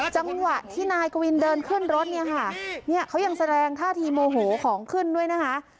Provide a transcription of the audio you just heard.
จังหวะที่นายกวินเดินขึ้นรถเนี่ยค่ะเนี่ยเขายังแสดงท่าทีโมโหของขึ้นด้วยนะคะ